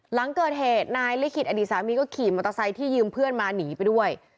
หลังเกิดเหตุนายลิขิตอดีตสามีก็ขี่มอเตอร์ไซค์ที่ยืมเพื่อนมาหนีไปด้วย